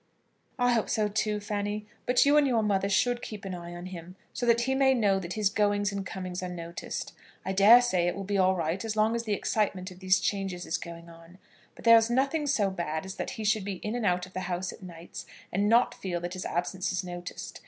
] "I hope so too, Fanny. But you and your mother should keep an eye on him, so that he may know that his goings and comings are noticed. I dare say it will be all right as long as the excitement of these changes is going on; but there is nothing so bad as that he should be in and out of the house at nights and not feel that his absence is noticed.